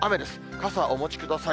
傘はお持ちください。